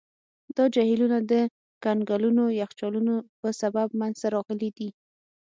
دا جهیلونه د کنګلونو یخچالونو په سبب منځته راغلي دي.